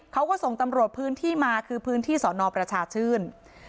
เขาก็ส่งตำรวจพื้นที่มาคือพื้นที่สอนอประชาชื่น